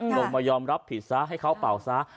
ลงมายอมรับผิดซะให้เขาเป่าซะ